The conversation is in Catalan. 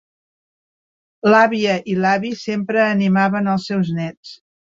L'àvia i l'avi sempre animaven els seus nets.